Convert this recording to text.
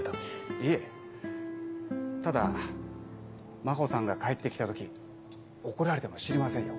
いえただ真帆さんが帰って来た時怒られても知りませんよ？